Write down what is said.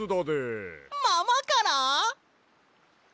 ママから？